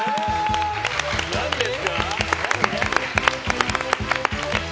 何ですか？